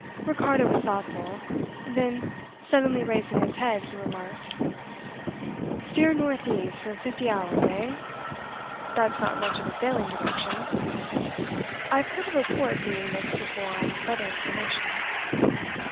Ricardo was thoughtful. Then, suddenly raising his head, he remarked: "Steer north east for fifty hours, eh? That's not much of a sailing direction. I've heard of a port being missed before on better information.